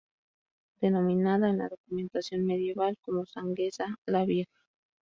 Denominada en la documentación medieval como Sangüesa la Vieja.